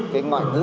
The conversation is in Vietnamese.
cái ngoại ngữ